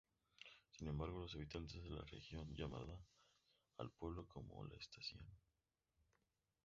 Sin embargo, los habitantes de la región llamaban al pueblo como la estación.